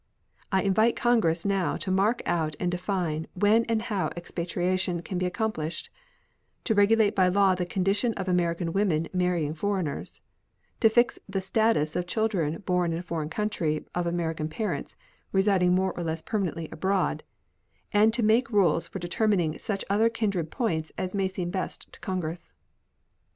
I invite Congress now to mark out and define when and how expatriation can be accomplished; to regulate by law the condition of American women marrying foreigners; to fix the status of children born in a foreign country of American parents residing more or less permanently abroad, and to make rules for determining such other kindred points as may seem best to Congress.